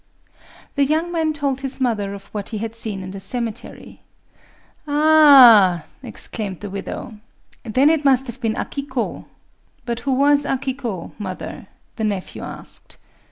The young man told his mother of what he had seen in the cemetery. "Ah!" exclaimed the widow, "then it must have been Akiko!"... "But who was Akiko, mother?" the nephew asked.